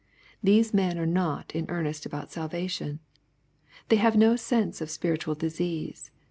These men are not in earnest about salvation. They have no sense of spiritual disease.